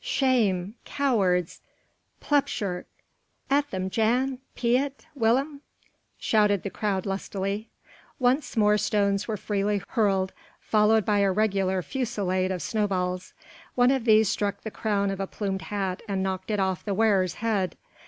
"Shame! cowards! plepshurk! At them Jan! Piet! Willem!" shouted the crowd lustily. Once more stones were freely hurled followed by a regular fusillade of snowballs. One of these struck the crown of a plumed hat and knocked it off the wearer's head.